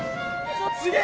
すげえ！